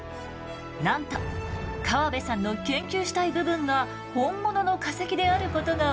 なんと河部さんの研究したい部分が本物の化石であることが分かったんです。